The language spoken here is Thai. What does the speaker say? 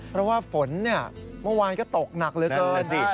เพราะว่าฝนเมื่อวานก็ตกหนักหละเกิน